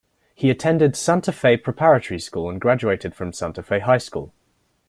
He attended Santa Fe Preparatory School and graduated from Santa Fe High School.